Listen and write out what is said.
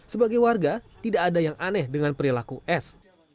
sebagai warga tidak ada yang aneh dengan perilaku s